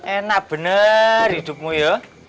enak bener hidupmu ya